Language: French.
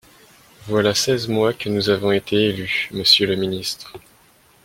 Voilà seize mois que nous avons été élus, monsieur le ministre.